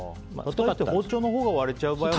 包丁のほうが割れちゃう時は。